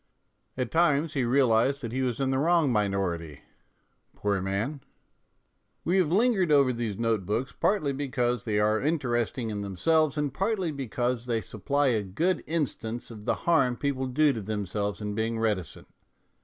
At times he realized that he was in the wrong minority, poor man ! We have lingered over these note books partly because they are interesting in them selves and partly because they supply a good instance of the harm people do themselves in being reticent.